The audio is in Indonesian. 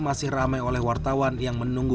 masih ramai oleh wartawan yang menunggu